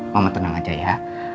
mama tenang aja ya